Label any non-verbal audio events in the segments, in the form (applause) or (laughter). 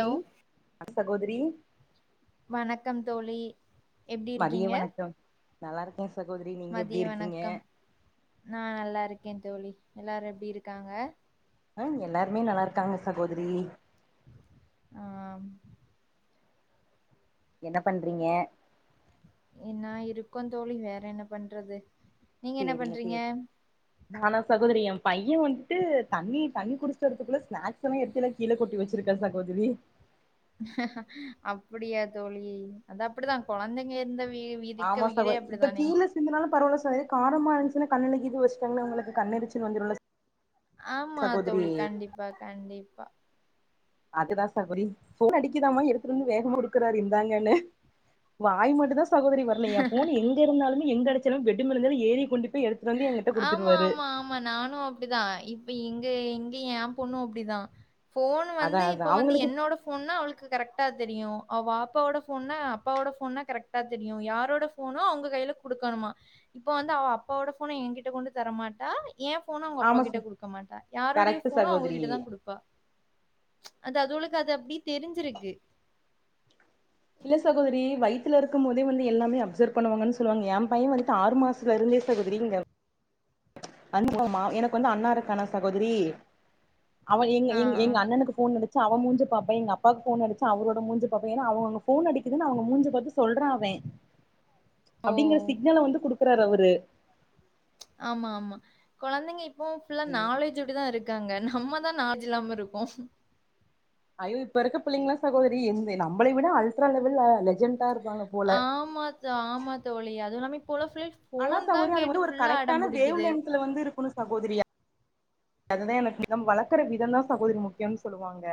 ரி சகோதரி வணக்கம் தோழி எப்டி மதிய இருக்கீங்க வணக்க நல்லா இருக்கே சகோதரி நீங்க மதிய எப்டி இருக்கீங்க வணக்கம் நா நல்லாருக்கே தோழி எல்லாரு எப்டி இருக்காங்க ஆ எல்லாருமே நல்லா இருக்காங்க சகோதரி ஆம் என்ன பண்றீங்க என்னா இருக்கோ தோழி வேற என்ன பண்றது நீங்க என்ன சேரிங்க பண்றீங்க சேர் ஆனா சகோதரி எ பைய வந்துட்டு தண்ணி தண்ணி குடிச்சுட்டு வர்றதுக்குள்ள ஸ்நாக்ஸ் எல்லா எடுத்து எல்லாக் கீழ கொட்டி வெச்சிருக்கா சகோதிரி அப்டியா தோழி அது அப்டித்தா கொழந்தைங்க இருந்த வீட் ஆமா சகோ இப்ப கீழ ஸ் சிந்துனாலு பரவால்ல சகோதரி காரமா இருந்துச்சுனா கண்ணுல கீது வெச்சட்டாங்கனா அவ்ங்களுக்கு கண்ணெரிச்சல் வந்துருல ச ஆமா தோழி கண்டிப்பா கண்டிப்பா அதுதா சகோதரி ஃபோன் அடிக்கக்குதாமா எடுத்துட்டு வந்து வேகமா குடுக்குறாரு இந்தாங்கன்னு வாய் மட்டு தா சகோதரி வர்ல எ ஃபோனு எங்க இருந்தாலுமே எங்க அடிச்சாலுமே பெட்டு மேல இருந்தாலு ஏறி கொண்டு போய் எடுத்து ஆமாம்மாம் ஆமா நானு அப்டிதா இப்ப இங்க எங்க ஏ பொண்ணு அப்டிதா ஃபோனு அதா வந்து அதா இப்ப வந்து அவங்களுக்கு என்னோட ஃபோன்னா அவளுக்கு கரெக்ட் டா தெரியு அவ ஆப்பாவோட ஃபோன்னா அப்பாவோட ஃபோன்னா கரெக்டா தெரியு யாரோட ஃபோனோ அவ்ங்க கைல குடுக்கணுமா இப்ப வந்து அவ அப்பாவோட ஃபோன எங்கிட்ட கொண்டு தரமாட்டா ஏ ஃபோன அவ்ங்க ஆமா அப்பாக்கிட்ட ச குடுக்க மாட்டா யாருடைய கரெக்ட் ஃபோனோ சகோதரி அவங்கக்கிட்ட தா குடுப்பா அது அது அவளுக்கு அது அப்டி தெரிஞ்சிருக்கு இல்ல சகோதரி வய்த்துல இருக்கும் போதே வந்து எல்லாமே அப்சர்வ் பன்னுவாங்கன் சொல்லுவாங்க எ பைய வந்துட்டு ஆறு மாச த்துல இருந்தே சகோதரி இங்க அனுப்புவமா எனக்கு வந்து அண்ணா இருக்கானா சகோதரி அவ எங்க ஆ எங்க எங்க அண்ணனுக்கு ஃபோன் அடிச்சா அவ மூஞ்ச பாப்பா எங்க அப்பாவுக்கு ஃபோன் அடிச்சா அவரோட மூஞ்ச பாப்பா ஏனா அவுங்க அங்க ஃபோன் அடிக்குதுன்னு அவ்ங்க மூஞ்ச பாத்து சொல்றா அவ ஓ அப்டிங்கிற சிக்னல வந்து குடுக் க்கிறாரு அவரு ஆமா ஆமா கொழந்தைங்க இப்போவு ஃபுல்லா அவரு நாலேஜு இப்டிதா இருக்காங்க நம்மதா நாலேஜ் இல்லாம இருக்கோ ஐயோ இப்ப இருக்க பிள்ளைங்களா சகோதரி இந்த நம்பளை விட அல்ட்ரா லெவல்ல லெஜண்டா இருக் ஆமாத்தா ஆமா தோழி அதுவு இல்லாம இப்ப உள்ள பிள்ளை ஆனா சகோதரி அது வந்து ஒரு கரெக்டான வேவ் லென்த்துல வந்து இருக்கணு சகோதரி அதுதா எனக்கு விதம் வளக்குற விதந்தா சகோதரி முக்கியனு சொல்லுவாங்க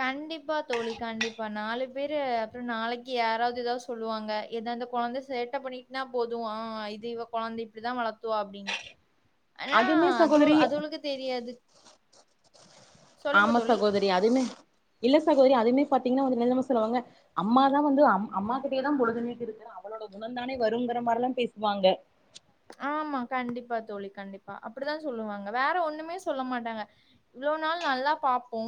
கண்டிப்பா தோழி கண்டிப்பா நாலு பேரு அப்றோ நாளைக்கு யாராவ்து எதாவ்து சொ சொல்லுவாங்க எதா இந்த கொழந்த சேட்ட பண்ணிட்னா போது ஆ இது இவ கொழந்த இப்டிதா வளத்துவா அப்டின்னு ஆனா அதுமே அது சகோதரி அது அவளுக்கு தெரியாது சொல்லுங்க ஆமா தோழி. சகோதரி அதுமே இல்ல சகோதரி அதுமே பாத்தீங்கனா வந்து என்ன தெரியுமா சொல்லுவாங்க அம்மா தா வந்து அம் அம்மா கிட்டயேதா பொழுதன்னைக்கு இருக்கிறா அவளோட குணந்தானே வருங்கிற மாரிலா பேசுவாங்க ஆமா கண்டிப்பா தோழி கண்டிப்பா அப்டிதா சொல்லுவாங்க வேற ஒன்னுமே சொல்ல மாட்டாங்க இவ்ளோ நாள் நல்லா பாப்போ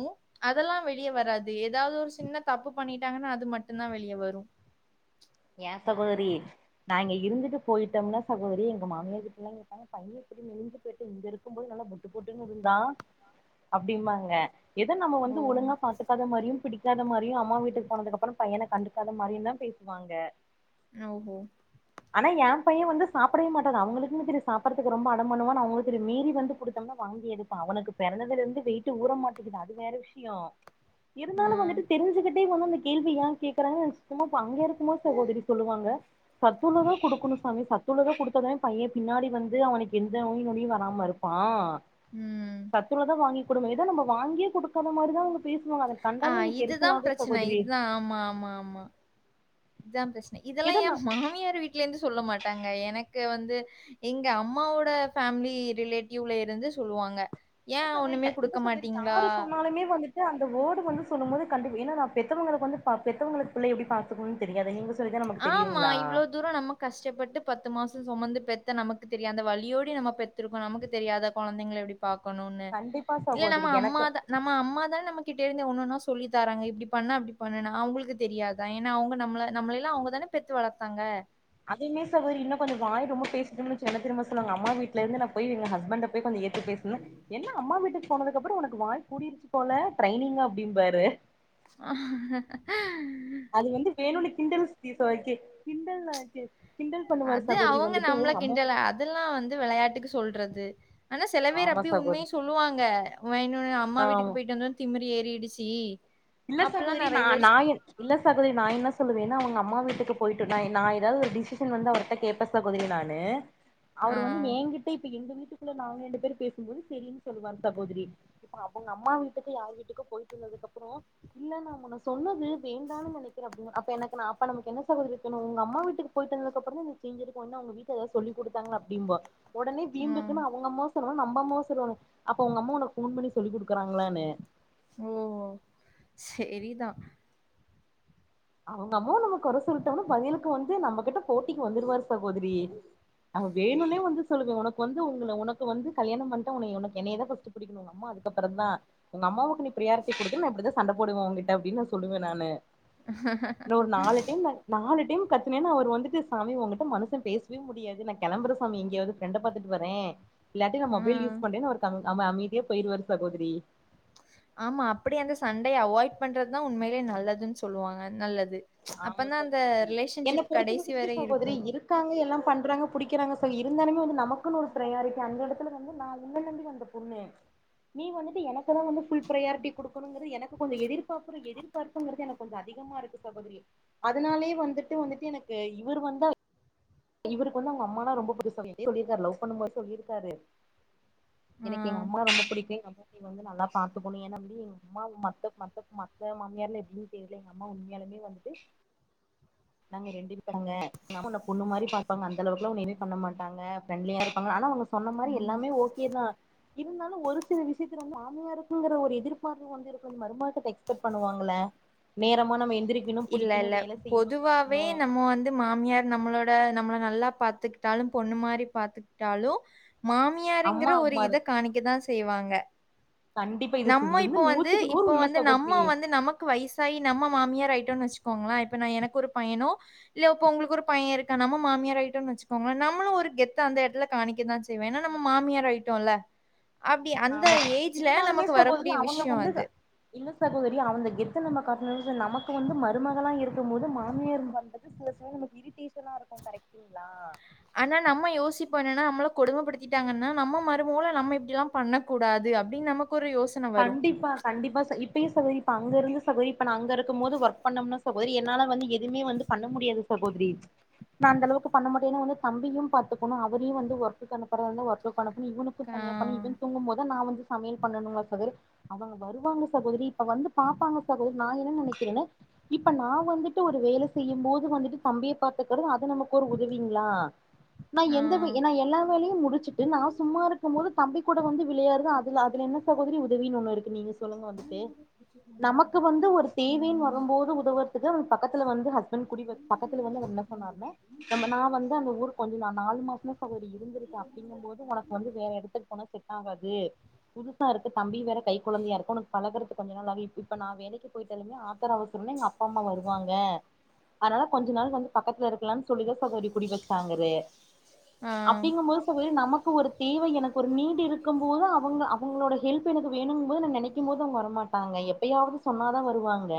அதெல்லா வெளிய வராது எதாவ்து ஒரு சின்ன தப்பு பண்ணிட்டாங்கனா அது மட்டுந்தா வெளிய வரு ஏ சகோதரி நாங்க இருந்துட்டு போயிட்டம்னா சகோதரி எங்க மாமியா கிட்டலா கேட்டாங்க பைய அப்டி நெஞ்சு போயிட்டு இங்க இருக்கு போது நல்லா பொட்டு போட்டுன்னு இருந்தான் அப்டிம்பாங்க எத நம்ம வந்து ஓ! ஒழுங்கா பாத்துக்காத மாரியும் பிடிக்காத மாரியும் அம்மா வீட்டுக்கு போனதுக்கு அப்பறோ பையன கண்டுக்காத மாரியு தா பேசுவாங்க நௌ கோ ஆனா என் பையே வந்து சாப்டவே மாட்டா அது அவுங்களுக்கு தெரியு சாப்டறதுக்கு ரொம்ப அட பண்ணுவான்னு அவுங்களுக்கு தெரியு மீறி வந்து குடுத்தம்னா வாந்தி எடுத் இப்ப அவனுக்கு பெறந்ததுல இருந்து வெயிட்டு ஊர மாட்டேக்குது அது வேற விஷ்யோ இருந்தாலு ஆ. வந்துட்டு தெரிஞ்சுக்கிட்டே வந்து அந்த கேள்வி ஏ கேக்குறாங்கன்னு எனக்கு சுத்தமா ப்பா அங்க இருக்குமோது சகோதிரி சொல்லுவாங்க சத்துள்ளதா குடுக்கணு சாமி சத்துள்ளதா குடுத்த தான பையே பின்னாடி வந்து அவனுக்கு எந்த நோய் நொடியு வராம இரு ப்பா ம். சத்துள்ளலதா வாங்கி குடுங்க எதோ நம்ம வாங்கியே குடுக்காத மாரிதா அவுங்க பேசுவாங்க அத எனக்கு ஆ கண்டாலே எனக்கு இதுதான் எரிச்சலாகு பிரச்சனை. சகோதிரி இதுதான். ஆமா ஆமா ஆமா இதா பிரெச்சன இதெல்லா ஏதோ ஏ நா மாமியார் வீட்ல இருந்து சொல்ல மாட்டாங்க எனக்கு வந்து எங்க அம்மாவோட ஃபேமிலி ரிலேட்டிவ்ல இருந்து சொல்லுவாங்க இல்ல "ஏன் சகோதிரி ஒண்ணுமே யா இல்ல குடுக்க சகோதிரி மாட்டீங்களா?" யாரு சொன்னாலுமே வந்துட் டு அந்த வேர்டு வந்து சொல்லும் போது கண்டிப் ஏனா நா பெத்தவுங்களுக்கு வந்து பா பெத்தவுங்களுக்கு பிள்ள எப்டி பாத்துக்கணுனு தெரியாது நீங்க சொ ஆமா இவ்ளோ தூரம் நமக் கஷ்டப்பட்டு பத்து மாசோ சுமந்து பெத்த நமக்கு தெரியாத வலியோடி நம்ம பெத்துருக்கோ நமக்கு தெரியாத கொழந்தைங்க எப்டி பாக்கணுனு கண்டிப்பா இல்ல நம்ம சகோதரி எனக்கு அம்மாதா நம்ம அம்மாதான நமக் கிட்ட இருந்து ஒன்னு ஒன்னா சொல்லித்தாங்க இப்டி பண்ண அப்டி பண்ணுனு அவுங்களுக்கு தெரியாத அவுங்க நம்மள நம்மளே இல்ல அவுங்க தான பெத்து வளத்தாங்க அதேமே சகோதிரி இன்னு கொஞ்சோ வாய் ரொம்ப பேசிட்டோம்னு வச்சுக்க அந்த திரும்ப சொல்லுவாங்க அம்மா வீட்ல இருந்து நா போய் எங்க ஹஸ்பெண்ட ப் போய் ய கொஞ்சோ எதித்து பேசுனு என்ன அம்மா வீட்டுக்கு போனது அப்பறோ உனக்கு வாய் கூடிருச்சு போல ட்ரைனிங்கா அப்டின்ம்பாரு ஆ அது வந்து வேணுனே கிண்டல்ஸ்க்கி சோ கி கிண்டலா கேக் கிண்டல் பண்ணுவாரு சகோதரி வந்துட்டு உ அம்மா வு இதெல்லா வந்து வெளையாட்டுக்கு சொல்றது ஆனா சில பேர் ஆமா அப்டி உண்மையே சகோதரி சொல்லுவாங்க வெனுனு அம்மா ஆ வீட்டுக்கு போயிட்டு வந்தது திமிரு ஏறிடிச்சி இல்ல சகோதரி நா நா என் இல்ல சகோதிரி நா என்ன சொல்லுவேன்னா அவுங்க அம்மா வீட்டுக்கு போயிட்டு நா நா எதாவது ஒரு டிசிஷன் வந்து அவர்கிட்ட கேப்ப ஸ் சகோதரி நானு ஆ, அவர் வந்து எங்கிட்ட இப்ப எங்க வீட்டு இல்ல நாங்க ரெண்டு பேர் பேசுபோது செரின்னு சொல்லுவாரு சகோதிரி இப்ப அவங்க அம்மா வீட்டுக்கு யார் வீட்டுக்கோ போயிட்டு வந்ததுக்கு அப்பறோ இல்ல நா முன்ன சொன்னது வேண்டானு நெனைக்கிறே அப்டின்பாரு அப்ப எனக் கு நா அப்ப நமக்கு என்ன சகோதரிக்கு தோணு உங்க அம்மா வீட்டுக்கு போயிட்டு வந்தது அப்றோ நா இந்த சேஞ்சு இருக்கு ஏனா அவுங்க வீட்ல எதாவது சொல்லி குடுத்தாங்க அப்டிம்போ உடனே ம். வீம்புக்குன்னு அவுங்க அம்மா சொன்னோனா நம்ம அம்மா சொல்லுவாங்க அப்ப உங்க அம்மா உனக்கு ஃபோன் பண்ணி ஸ் சொல்லி குடுக்குறாங்களானு ஓ செரிதா அவுங்க அம்மாவ நம்ம கொற சொல்ட்டோம்னா பதிலுக்கு வந்து நம்ம கிட்ட போட்டிக்கு வந்துருவாரு சகோதிரி அவ வேணுனே வந்து சொல்லுவே உனக்கு வந்து உங்க உனக்கு வந்து கல்யாண பண்ட்டா உனய உனக்கு என்னய தா ஃபஸ்ட்டு பிடிக்கணு உங்க அம்மா அதுக்கப்பறோ தா உங்க அம்மாவுக்கு நீ பெர்யாரிட்டி குடுத்தின்னா நா இப்டிதா சண்ட போடுவே உங்ககிட்ட அப்டின்னு சொல்லுவே நானு ஹ இன்னு ஒரு நாலு டைம் நா நாலு டைம் கத்துனேன்னு அவர் வந்துட்டு சாமி ஒங்கிட்ட மனுசே பேசவே முடியாது ந கெளம்புற சாமி எங்கியாது ஃப்ரண்ட பாத்துட்டு வரே இல்லாட்டி நா மொபைல் ம். யூஸ் பண்றேணு அவ்ரு கம் அம அமைதிய போய்ட்டுவரு சகோதரி ஆமா அப்டி சண்டய அவொய்ட் பண்றது தா உண்மையிலே நல்லதுன்னு சொல்லுவாங்க நல்லது ஆமா அப்பதான் அந்த சகோதரி என்ன ரிலேஷன்ஷிப் பொறுத்த கடைசி வரைக்கு வரை சகோதரி இருக்கும். இருக் காங்க எல்லா பண்ணுறாங்க புடிக்கறாங்க சேரி இருந்தாலுமே வந்து நமக்குன்னு ஒரு ப்ரையாரிட்டி அந்த எடத்துல வந்து நா உன்ன நம்பி வந்த பொண்ணு நீங்க வந்துட்டு எனக் குனு வந்து ஃபுல் ப்ரையாரிட்டி குடுக்குங்கிறது எனக்கு கொஞ்ச எதிர்பாப்புரு எதிர்பார்புங்குறது எனக் கொஞ்சோ அதிகமா இருக்கு சகோதரி அதனாலயே வந்துட்டு வந்துட்டு எனக்கு இவ்ர் வந்த இவ்ருக்கு வந்து அவுங்க அம்மானா ரொம்ப (inaudible) சொல்லிருக்கருல லவ் பண்ணு போதே சொல்லிருக்காரு ஆ. எனக்கு எங்க அம்மா ரொம்ப புடிக்கு எங்க அம்மா நீ வந்து நல்லா பாத்துக்கணு (unintelligible) அப்டி அம்மா மத்த மத்த மத்த மாமியார்ல எப்டின்னு தெர்ல எங்க அம்மா உண்மையாலுமே வந்துட்டு நாங்க ரெண் (unintelligible) எங்க அம்மா உன்ன பொண்ணு மாரி பாங்க அந்த அளவுக்குல உன்ன (unintelligible) பண்ண மாட்டாங்க ஃப்ரண்டிலியா இருப்பாங்க ஆனா ஒன்னு சொன்ன மாரி ம். எல்லாமே ஓகே தா இருந்தாலு ஒரு சில விஷ்யத்துல வந்து மாமியாருக் குங்கிற ஒரு எதிர்பார்ப்பு வந்து இருக்கு மருமவகிட்ட எக்ஸ்பக் பண்ணுவாங்கள நேரமா நம்ம எந்து இல்ல இல்ல பொதுவாவே நம்ம வந்து மாமியார் நம்மளோ ட நம்மள நல்லா பாத்துக்கிட்டாலு பொண்ணு மாரி பாத்துக்கிட்டாலு மா மியாருங்கிற அம்மா ஒரு அம்மா இத தா காமிக்க தா செய்வாங்க கண்டிப்பா இது நம்ம இது இப்போ வந்து நூத்துக்கு நூறு இப்போ உண்ம வந்து நம்ம சகோதரி வந்து நமக்கு வயசாயி நம்ம மாமியார் ஆயி ட்டோனு வச்சுக்கோங்களே இப்ப நா எனக்கு ஒரு பையனோ இல்ல இப்ப உங்களுக்கு ஒரு பைய இருக்கா நம்ம மாமியார ஆகிட்டும்னு வச்சுக்கோ நம்முளு ஒரு கெத்த அந்த எடத்துல காணிக்க தா செய்வே ஏன்னா நம்ம மாமியார் ஆயிட்டோல்ல அப்டி அந்த ஆமா ஏஜ்ல இருந்தாலுமே நமக்கு சகோதரி வரக்கூடிய அவங்க விஷ்யோ வந்து அது இல்ல சகோதரி அவந்த கெத்தை நம்ம காட்டணுன்ற நமக்கு வந்து மருமகளா இருக்கு போது மாமியார் பண்றது சில சமய நமக்கு இரிடேஷனா இருக்கு கரெக்டங்களா ஆனா நம்ம யோசிப்போ என்னனா நம்மள கொடுமப்படுத்திட்டாங்கன்னா நம்ம மருமொள நம்ம இப்டில்லா பண்ணக்கூடாது அப்டின் நமக்கு ஒரு யோ கண்டிப்பா கண்டிப்பா ச இப்பியு சகோதரி இப்ப அங்க இருந்து சகோதரி இப்ப நா அங்க இருக்குமோது ஒர்க் பண்ணோம்னா சகோதரி என்னால வந்து எதுவுமே வந்து பண்ண முடியாது சகோதரி நா அந்த அளவுக்கு பண்ண மாட்டேன்னு வந்து தம்பியு பாத் துகுணு அவரையு வந்து ஒர்க்கு அனுப்பறத இருந்த ஒர்க்கு அனுப்புனு இவனுக்கு ஆ, தனியா பண்ணி இவ தூங்கு போது நா வந்து சமையல் பண்ணணும்ங்களா சகோதரி அவுங்க வருவாங்க சகோதரி இப்ப வந்து பாப்பாங்க சகோதரி நா என்ன நெனைக்கிறேன்னு இப்ப நா வந்துட்டு ஒரு வேல செய்யு போது வந்துட்டு தம்பிய பாத்துக்கறது அது நமக்கு ஒரு உதவிங்களா நா ஆ, எந்த வே என்ன எல்லா வேலையு முடிச்சுட்டு நா சும்மா இருக்கு போது தம்பி கூட வந்து விளையாருது அதுல அதுல என்ன சகோதரி உதவின்னு ஒண்ணு இருக்கு நீங்க சொல்லுங்க வந்துட்டு நமக்கு வந்து ஒரு தேவன்னு வருபோது உதவுறதுக்கு (inaudible) பக்கத்துல வந்து ஹஸ் பண்ட் குடி (inaudible) பக்கத்துல வந்து அவ்ர் என்ன சொன்னாருன்ன நம்ம நா வந்து அந்த ஊர் கொஞ்ச ந நா நாலு மாசந்த சகோதரி இருந்திருக்கு அப்டிங்கு போது உனக்கு வந்து வேற எடத்துலக்கு போன செட் ஆகாது புதுசா இருக்கு தம்பி வேற கை கொழந்தையா இருக்கு உனக்கு பழகுறது கொஞ்ச நாளாகு இப் இப் இப்ப நா வேலைக்கு போய்ட்டாலுமே ஆத்தர அவசரம்ன்ன எங்க அப்பா அம்மா வருவாங்க அதனால கொஞ்ச நாள் வந்து பக்கத்துல இருக்கலானு சொல்லிதா சகோரி குடி வச்சாங்கரு ஆ, அப்டிங்க போது சகோதரி நமக்கு ஒரு தேவை எனக்கு ஒரு நீடு இருக்குபோது அவுங்க அப் அவுங்களோட ஹெல்ப் எனக்கு வேணுங்கு போது நா நெனைக்கு போது அவுங்க வரமாட்டாங்க எப்பயாவ்து சொன்னாதா வருவாங்க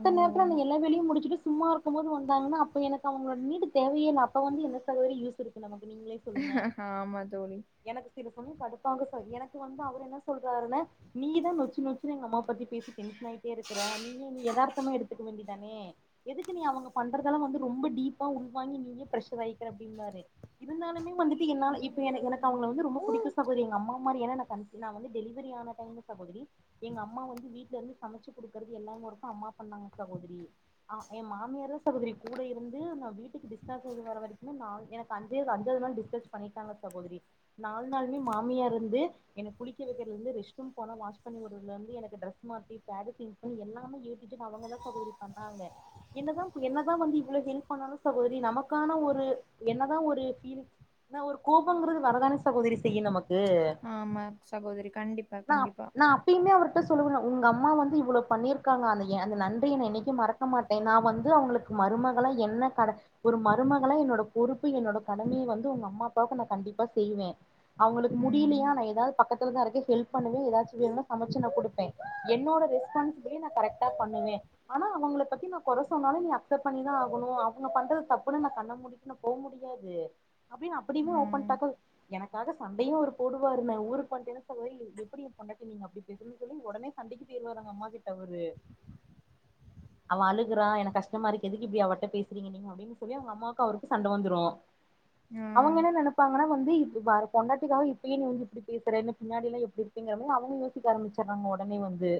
ஓ! நேரத்துல நா எல்லா வேலையு முடிச்சுட்டு சும்மா இருக்கும் போது வந்தாங்கனா அப்ப எனக்கு அவங்களோட நீடு தேவையே இல அப்ப வந்து என்ன சகோதரி யூஸ் இருக்கு நமக்கு நீங்களே சொல்லுங்க ஆ ஆமா தோழி எனக்கு சில சமய கடுப்பாகு சகோ எனக்கு வந்து அவர் என்ன சொல்றாருன்ன நீதா நொச்சு நொச்சுனு எங்க அமா பத்தி பேசி டென்ஷன் ஆயிட்டே இருக்கிற நீ ஏதார்த்தமா எடுத்துக்க வேண்டி தானே எதுக்கு நீ அவங்க பண்றதெல்லா வந்து ரொம்ப டீப்பா உள்வாங்கி நீயே பிரெஷர் அயிக்கிற அப்டின்பாரு இருந்தாலுமே வந்துட்டு என்னால இப்ப எனக் எனக்கு அவங்கள வந்து ரொம்ப புடிக்கு சகோதரி எங்க அம்மா மாரி எனா நா கண்சி நா வந்து டெலிவரி ஆன டைம்ல சகோதரி எங்க அம்மா வந்து வீட்ல இருந்து சமச்சு குடுக்கறது எல்லா ஒர்கு அம்மா பண்ணாங்க சகோதரி அ எ மாமியார் தா சகோதரி கூட இருந்து நா வீட்டுக்கு டிஸ்சார்ஜ் ஆகி வர வரைக்குமே நாள் என அஞ்ச அஞ்சாவது நாள் டிஸ்சார்ஜ் பண்ணிட்டாங்க சகோதரி நால் நாளுமே மாமியார் இருந்து எனக் குளிக்க வைக்கிறதுலந்து ரெஷ் ரூம் போன வாஷ் பண்ணிடுறதுல இருந்து எனக்கு ட்ரஸ் மாத்தி பேடு சேஞ்ச் பண்ணி எல்லாமே ஏ டூ ஜெட் அவங்க தா சகோதரி பண்ணாங்க என்னதா என்னதா வந்து இவ்வள ஹெல்ப் பண்ணாலு சகோதரி நமக்கான ஒரு என்னதா ஒரு ஃபீல் நா ஒரு கோபங்கிறது வரதான சகோதரி செய்யு நமக்கு ஆமா சகோதரி கண்டிப் நாப் நாப் எப்பயுமே அவர்கிட்ட சொல்லுவ உங்க அம்மா வந்து இவ்ளோ பண்ணியிருக்காங்க அந்த அந்த நன்றிய நா என்னைக்கு மறக் க்க மாட்டே நா வந்து அவங்களுக்கு மருமகளா என்ன கட ஒரு மருமகளா என்னோட பொறுப்பு என்னோட கடமய வந்து உங்க அம்மா அப்பாவுக்கு நா கண்டிப்பா செய்வே அவங்களுக்கு ம், முடியலையா நா ஏதாது பக்கத்துலதா இருக்க ஹெல்ப் பண்ணுவ ஏதாச்சு வேணுனா சமச்சு நா கொடுப்பே என்னோட ரெஸ்பான்சிபிலி நா கரெக்டா பண்ணுவே ஆனா அவங்கள பத்தி நா கொற சொன்னாலு நீ அக்செப்ட் பண்ணிதா ஆகணு அவங்க பண்றது தப்புனு நா கண்ண மூடி ட்னு போ முடியாது அப்டின் அப்டியுமே ஓபன் ம், டாக்கல் எனக்காக சண்டையு அவுரு போடுவாரு நா ஊரு வண்டான்னா சகோதரி எப்படி எ பொண்டாட்டிய நீங்க அப்படி பேசுறீங்கனு சொல்லி ஒடனே சண்டைக்கு போயிருவாரு அவங்க அம்மா கிட்ட அவரு அவ அழுகுறா எனக்கு கஷ்டமா இருக்கு எதுக்கு இப்டி அவட்ட பேசுறீங்க நீங்க அப் அப்டின் சொல்லி அவங்க அம்மாவுக்கு அவருக்கு சண்ட வந்துரு அவங்க ம். என்ன நெனப்பாங்கன்னா வந்து இப்ப பொண்டாட்டிக்காக இப்பயே நீ வந்து இப்டி பேசுற இன்னு பின்னாடில்லா எப்டி அப்டிங்கிற மாரி அவங்க யோசிக்க ஆரம்பிச்சறாங்க ஒடனே வந்து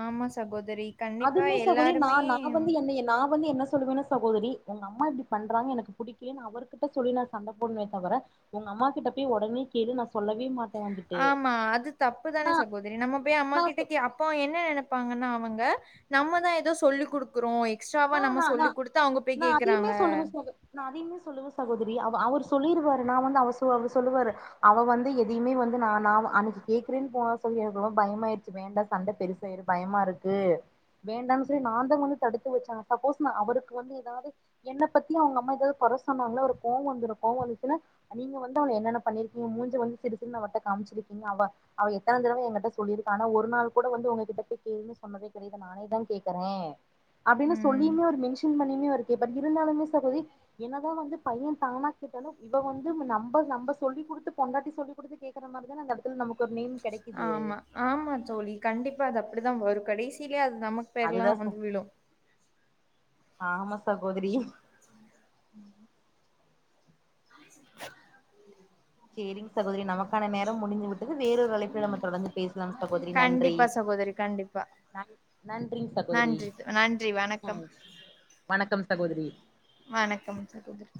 ஆமா சகோதரி. கண்டிப்பா அதுமே சகோதரி நா எல்லாருமே நா வந்து என்ன நா வந்து என்ன சொல்லுவனா ச சகோதரி உங்க அம்மா இப்டி பண்றாங்க எனக்கு புடிக்கல அவர்கிட்ட சொல்லி நா சண்ட போடுவே தவர உங்க அம்மா கிட்ட போய் ஒடனே கேளு நா சொல்லவே மாட்டே வந்துட்டு ஆமா. அது தப்பு தான நா சகோதிரி நம்ம போய் அம்மா நா கிட்ட சொ கே அப் ப்போ என்ன நினைப்பாங்கன்னா அவங்க நம்மதா ஏதோ சொல்லிக் கொடுக் குறோ எக்ஸ்ட்ராவா ஆ நம்ம நா நா சொல்லி குடுத்து அவங்க போய் நா அதையுமே கேக்குறாங்க சொல்லுவே சகோ நா அதையுமே சொல்லுவ சகோதரி அவ அவர் சொல்லிருவாரு நா வந்து அவ அவ சொல்லுவாரு அவ வந்து எதையுமே வந்து நா நா அன்னைக் கேக்குறனு போன சொல்லி எனக்கு ரொம்ப பயமாயிடுச்சு வேண்டா சண்ட பெருச ஆயிடு பயமா இருக்கு வேண்டான் சொல்லி நாந்தா வந்து தடுத்து வச்ச சப்போஸ் நா அவருக்கு வந்து எதாது என்ன பத்தி அவங்க அம்மா ஏதாது கொற சொன்னாங்கனா அவருக்கு கோவ வந்துரு கோவ வந்துச்சுன்னா நீங்க வந்து அவள என்னன்ன பண்ணிருக்கீங்க மூஞ்ச வந்து சிறுசிறுனு அவள்ட்ட காமிச்சிருக்கீங்க அவ அவ எத்தன தடவ என்கிட்ட சொல்லிருக்கா ஆனா ஒரு நாள் கூட வந்து உங்ககிட்ட போய் கேளுன்னு சொன்னதே கெடையாது நானே தா கேக்குறே அப்டினு ம். சொல்லியுமே ஒரு மென்ஷன் பண்ணியுமே அவரு கேப்பாரு இருந்தாலுமே சகோதரி என்னதா வந்து பைய தானா கேட்டாலு இவ வந்து நம்ப நம்ப சொல்லி குடுத்து பொண்டாட்டி சொல்லிகுடுத்து கேக்குற மாரிதான அந்த எடத் துல நமக்கு ஒரு நேம் கெடைக்குது ஆமா. ஆமா தோழி கண்டிப்பா அது அப்டி தா வரு கடைசிலே அது நமக் அதுதா சொ ஆமா சகோதரி சேரிங்க் சகோதரி நமக்கான நேரம் முடிந்து விட்டது வேறொரு அழைப்புல நம்ம தொடர்ந்து பேசலாம் சகோதரி நன்றி கண்டிப்பா சகோதரி கண்டிப்பா நன் நன்றிங் சகோதரி நன்றி நன் நன்றி வணக்கம் ம் வணக்கம் சகோதரி வணக்கம் சகோதரி